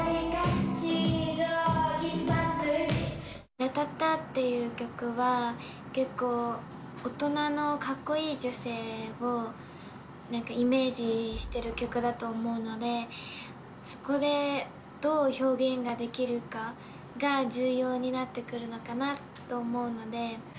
ラタタっていう曲は、結構、大人のかっこいい女性をなんかイメージしてる曲だと思うので、そこでどう表現ができるかが重要になってくるのかなと思うので。